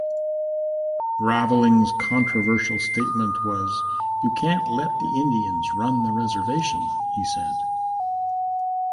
Raveling's controversial statement was, "You can't let the Indians run the reservation," he said.